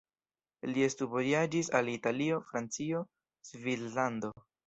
Li studvojaĝis al Italio, Francio, Svislando.